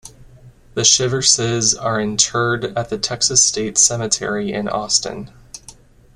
The Shiverses are interred at the Texas State Cemetery in Austin.